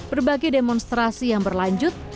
berbagai demonstrasi yang berlanjut